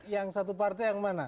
yang satu partai yang mana